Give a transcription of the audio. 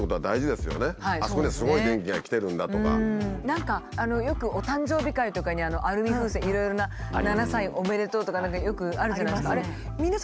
何かよくお誕生日会とかにアルミ風船いろいろな「７歳おめでとう」とか何かよくあるじゃないですか。